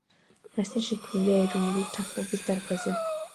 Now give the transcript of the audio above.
მასთან შექმნილია ეროვნული თანხმობის დარბაზი.